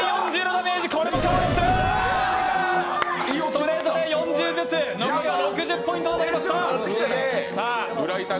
それぞれ４０ずつ、残りは６０ポイントとなりました。